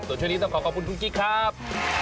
ส่วนช่วงนี้ต้องขอขอบคุณคุณกิ๊กครับ